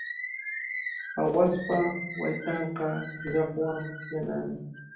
Aawaspa waytanqa yuraqwan yanami.